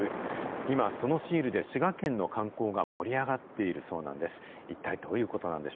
今、そのシールで滋賀県の観光が盛り上がっているそうなんです。